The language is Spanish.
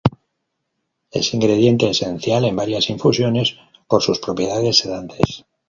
Es ingrediente esencial en varias infusiones por sus propiedades sedantes.